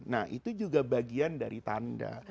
nah itu juga bagian dari tanda